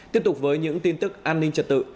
tiếp tục với những tin tức an ninh trật tự